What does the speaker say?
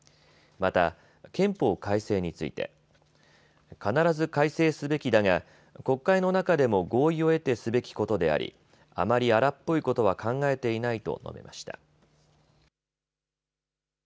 また、憲法改正について必ず改正すべきだが国会の中でも合意を得てすべきことでありあまり荒っぽいことは考えていないと述べました。